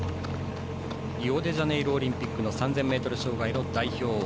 リオデジャネイロオリンピックの３０００ｍ障害の代表。